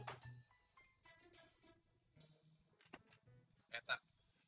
eh tak lebat juga si ujian